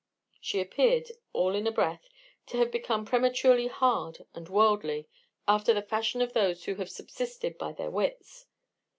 She appeared, all in a breath, to have become prematurely hard and worldly, after the fashion of those who have subsisted by their wits.